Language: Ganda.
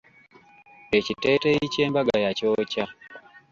Ekiteeteeyi ky'embaga yakyokya.